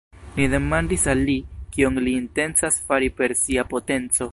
Ni demandis al li, kion li intencas fari per sia potenco.